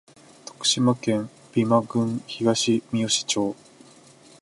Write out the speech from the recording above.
徳島県美馬郡東みよし町